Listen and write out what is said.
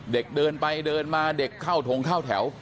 เด็กเดินไปเดินมาเด็กเข้าทงเข้าแถว